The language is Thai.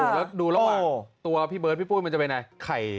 แล้วดูระหว่างตัวพี่เบิร์ดพี่ปุ้ยมันจะเป็นอะไร